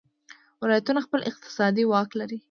ولایتونه خپل اقتصادي واک لري.